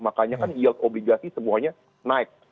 makanya kan yield obligasi semuanya naik